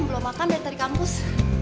belum makan dari kampus